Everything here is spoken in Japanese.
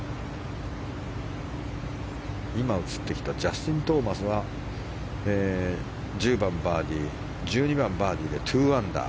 今、映ってきたジャスティン・トーマスは１０番、バーディー１２番、バーディーで２アンダー。